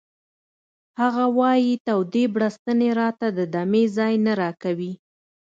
هغه وایی تودې بړستنې راته د دمې ځای نه راکوي